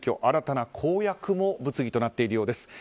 新たな公約も物議となっているようです。